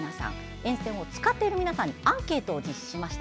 沿線を使っている皆さんにアンケートを行いました。